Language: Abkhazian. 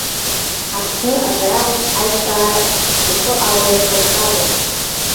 Аԥсны аҵараус аиҿкаара ихы алаирхәырц акәын.